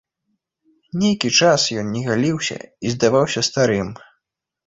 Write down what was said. Нейкі час ён не галіўся і здаваўся старым.